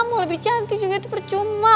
mau lebih cantik juga itu percuma